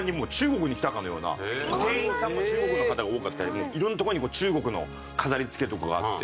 店員さんも中国の方が多かったり色んなとこに中国の飾り付けとかがあって。